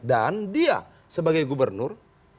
dan dia sebagai gubernur